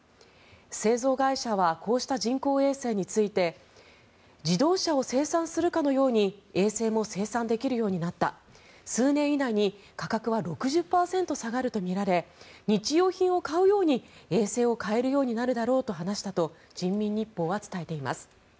製造会社はこうした人工衛星について自動車を生産するかのように衛星も生産できるようになった数年以内に価格は６０％下がるとみられ日用品を買うように衛星を買えるようになるだろうと話したと人民日報は伝えています。